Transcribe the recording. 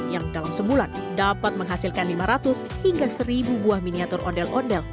yang dalam sebulan dapat menghasilkan lima ratus hingga seribu buah miniatur ondel ondel